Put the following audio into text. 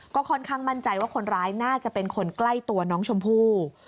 ก็ค่อนข้างมั่นใจว่าคนร้ายน่าจะเป็นคนใกล้ตัวน้องชมพู่